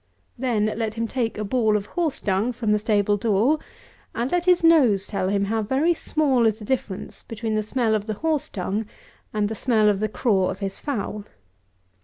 Then let him take a ball of horse dung from the stable door; and let his nose tell him how very small is the difference between the smell of the horse dung, and the smell of the craw of his fowl.